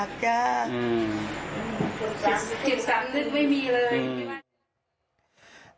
อืมจิตจำลึกไม่มีเลย